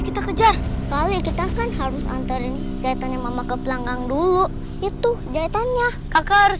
kita kejar kali kita kan harus anterin jatuhnya mama ke pelanggang dulu itu jatuhnya kak harus